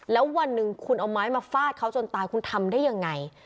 แล้ววันหนึ่งคุณเอาไม้มาฟาดเขาจนตายคุณทำได้ยังไง